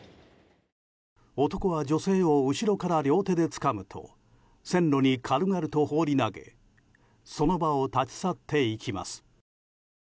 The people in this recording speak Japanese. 男は女性を後ろから両手でつかむと線路に軽々と放り投げその場を立ち去っていきます。